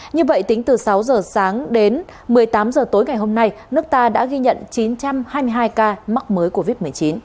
như vậy tính từ sáu giờ sáng đến một mươi tám h tối ngày hôm nay nước ta đã ghi nhận chín trăm hai mươi hai ca mắc mới covid một mươi chín